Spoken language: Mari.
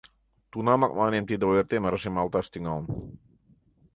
Тунамак мыланем тиде ойыртем рашемалташ тӱҥалын.